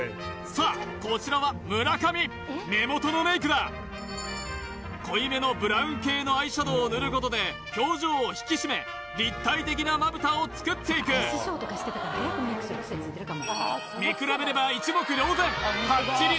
さあこちらは村上目元のメイクだ濃いめのブラウン系のアイシャドーを塗ることで表情を引き締め立体的なまぶたを作っていく見比べれば一目瞭然パッチリ